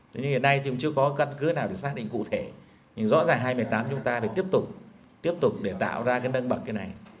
chưa có căn cứ nào để xác định cụ thể nhưng rõ ràng hai mươi tám chúng ta phải tiếp tục tiếp tục để tạo ra cái nâng bậc cái này